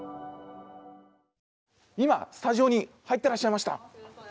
今スタジオに入ってらっしゃいました。